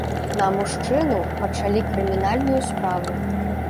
На мужчыну пачалі крымінальную справу.